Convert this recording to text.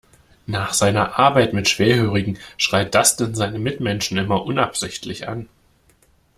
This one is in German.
Nach seiner Arbeit mit Schwerhörigen schreit Dustin seine Mitmenschen immer unabsichtlich an.